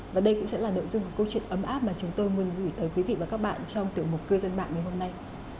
và đây cũng sẽ là nội dung câu chuyện ấm áp mà chúng tôi muốn gửi tới quý vị và các bạn trong tiểu mục cư dân mạng ngày hôm nay